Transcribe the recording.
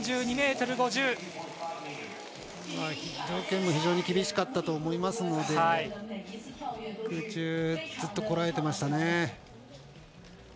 条件も非常に厳しかったと思いますので空中、ずっとこらえていましたね。